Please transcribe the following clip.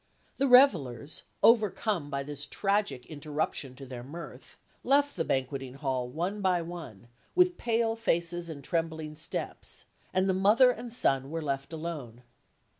The revellers, overcome by this tragic interruption to their mirth, left the banqueting hall one by one, with pale faces and trembling steps; and the mother and son were left alone.